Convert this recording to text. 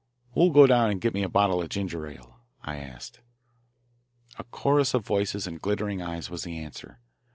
"Who'll go down and get me a bottle of ginger ale?" I asked. A chorus of voices and glittering eyes was the answer.